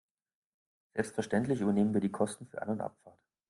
Selbstverständlich übernehmen wir die Kosten für An- und Abfahrt.